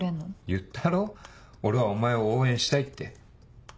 言ったろ俺はお前を応援したいって。